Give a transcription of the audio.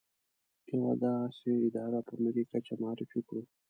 يوه داسې اداره په ملي کچه معرفي کړو.